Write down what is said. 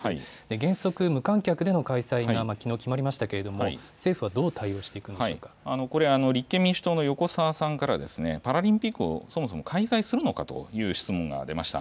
原則、無観客での開催がきのう決まりましたけれども、政府はどうこれ、立憲民主党の横沢さんから、パラリンピックをそもそも開催するのかという質問が出ました。